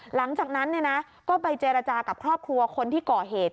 หลังจากนั้นก็ไปเจรจากับครอบครัวคนที่ก่อเหตุ